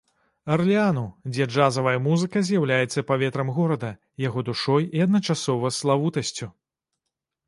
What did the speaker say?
Арлеану, дзе джазавая музыка з'яўляецца паветрам горада, яго душой і адначасова славутасцю.